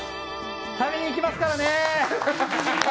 食べに行きますからね！